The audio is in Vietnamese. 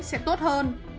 sẽ tốt hơn